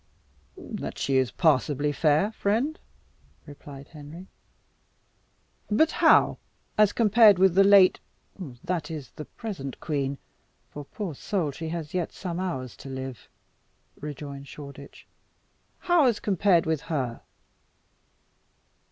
"That she is passably fair, friend," replied Henry. "But how as compared with the late that is, the present queen, for, poor soul! she has yet some hours to live," rejoined Shoreditch. "How, as compared with her?"